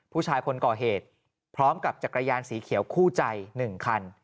ผู้ชายคนก่อเหตุพร้อมกับจักรยานสีเขียวคู่ใจ๑คัน